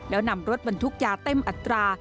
แล้วนำรถบรรทุกยาเต็มอัตรา